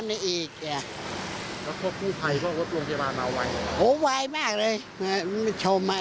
นักประดาน้ำมา